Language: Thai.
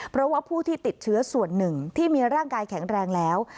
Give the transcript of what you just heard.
เพราะว่าผู้ที่ติดเชื้อส่วนหนึ่งที่มีร่างกายแข็งแรงแล้ว